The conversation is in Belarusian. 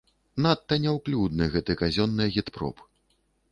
Надта няўклюдны гэты казённы агітпроп.